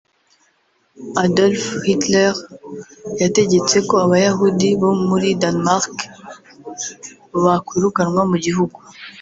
Adolf Hitler yategetse ko abayahudi bo muri Danmark bakwirukanwa mu gihugu